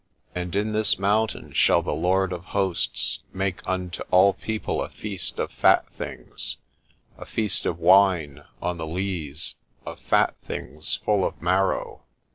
"And in this mountain shall tJie Lord of Hosts make unto all people a feast of fat thi?igs y a feast of wines on the lees, of fat tilings full of marrow.